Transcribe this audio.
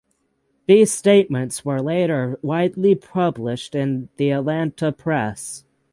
These statements were later widely published in the Atlanta press.